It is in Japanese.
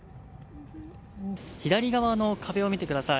左側の壁を見てください。